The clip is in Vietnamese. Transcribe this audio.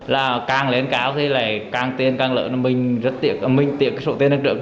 là càng lên cao thì càng tiền càng lợi mình rất tiếc mình tiếc cái số tiền năng trưởng